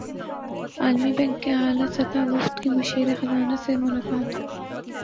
عالمی بینک کے اعلی سطحی وفد کی مشیر خزانہ سے ملاقات